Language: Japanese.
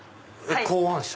考案者？